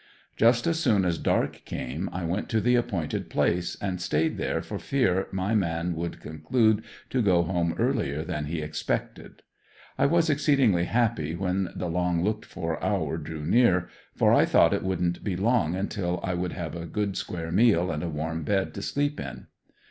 Just as soon as dark came, I went to the appointed place and staid there for fear my man would conclude to go home earlier than he expected. I was exceedingly happy when the long looked for hour drew near, for I thought it wouldn't be long until I would have a good square meal and a warm bed to sleep in.